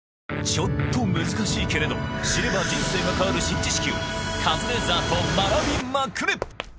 ちょっと難しいけれど知れば人生が変わる新知識をカズレーザーと学びまくれ！